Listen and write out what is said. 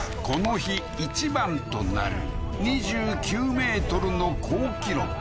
この日１番となる２９ｍの好記録